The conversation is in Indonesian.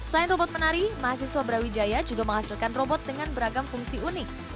selain robot menari mahasiswa brawijaya juga menghasilkan robot dengan beragam fungsi unik